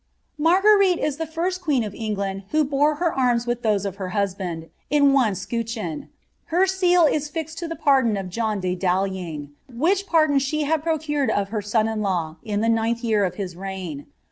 Marguerite is the first queen of England who bore her arms with ihoN of her husband, in one scutcheon ; lier seal is aflixed to the pwdoo d John de Dalyeng, which pardon she liad procured of her aon ii> 4aVt il the ninth year of his reign.